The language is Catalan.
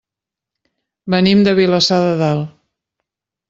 Venim de Vilassar de Dalt.